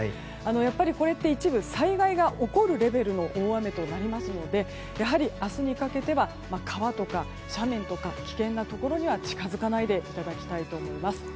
やっぱり、これって一部、災害が起こるレベルの大雨となりますので明日にかけては川とか斜面とか危険なところには近づかないでいただきたいと思います。